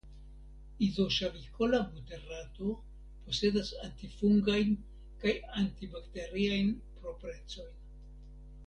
Izoŝavikola buterato posedas antifungajn kaj antibakteriajn proprecojn.